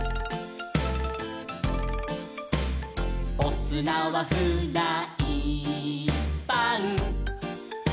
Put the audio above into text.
「おすなはフライパン」